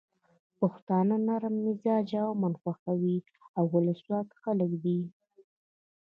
پښتانه نرم مزاجه، امن خوښي او ولسواک خلک دي.